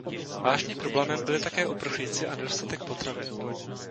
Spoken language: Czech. Vážným problémem byli také uprchlíci a nedostatek potravin.